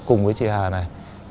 cùng với chị hà này